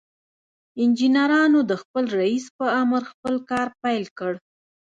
انجنيرانو د خپل رئيس په امر خپل کار پيل کړ.